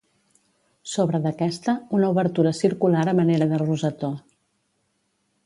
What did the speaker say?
Sobre d'aquesta, una obertura circular a manera de rosetó.